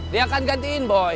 dia akan gantiin boy